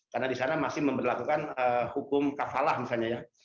karena di sana masih memperlakukan hukum kafalah misalnya